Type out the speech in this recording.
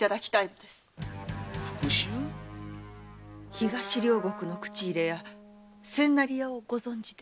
東両国の口入れ屋千成屋をご存じで？